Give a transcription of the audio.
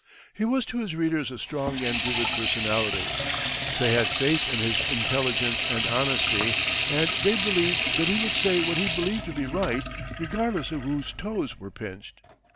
He was to his readers a strong and vivid personality they had faith in his intelligence and honesty, and they believed that he would say what he believed to be right, regardless of whose toes were pinched.